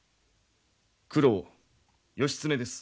九郎義経です。